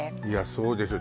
そうでしょ